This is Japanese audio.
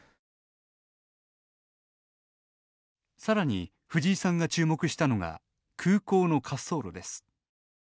さらに、藤井さんが注目したのが空港の滑走路です。